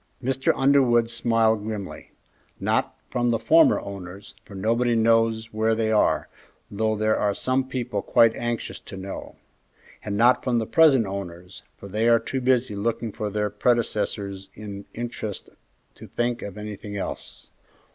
Mr. Underwood smiled grimly. "Not from the former owners, for nobody knows where they are, though there are some people quite anxious to know; and not from the present owners, for they are too busy looking for their predecessors in interest to think of anything else."